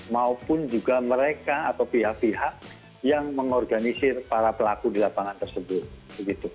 maupun juga mereka atau pihak pihak yang mengorganisir para pelaku di lapangan tersebut